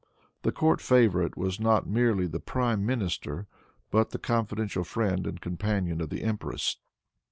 The court favorite was not merely the prime minister, but the confidential friend and companion of the empress.